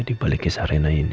di balikis arena ini